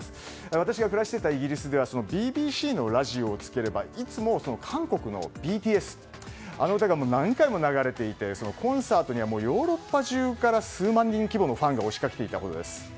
私が暮らしていたイギリスではＢＢＣのラジオをつければいつも韓国のＢＴＳあの歌が何回も流れていてコンサートにはヨーロッパ中から数万人規模のファンが押しかけていたほどです。